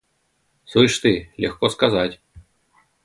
– Слышь ты, легко сказать.